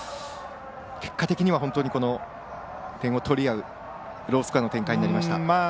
結果的には本当に点を取り合うロースコアの展開になりました。